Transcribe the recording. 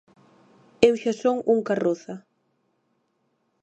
Eu xa son un carroza.